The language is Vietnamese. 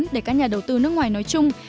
cho các nhà đầu tư nước ngoài nói chung